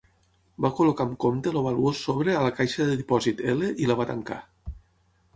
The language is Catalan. Va col·locar amb compte el valuós sobre a la caixa de dipòsit L i la va tancar.